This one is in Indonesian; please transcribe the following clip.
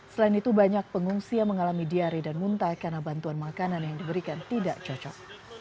selain itu banyak pengungsi yang mengalami diare dan muntah karena bantuan makanan yang diberikan tidak cocok